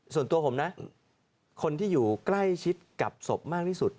ส่วนตัวผมนะคนที่อยู่ใกล้ชิดกับศพมากที่สุด